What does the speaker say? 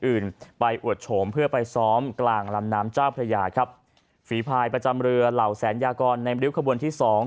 อื่นไปอวดโฉมเพื่อไปซ้อมกลางลำน้ำเจ้าพระยาครับฝีภายประจำเรือเหล่าแสนยากรในริ้วขบวนที่สอง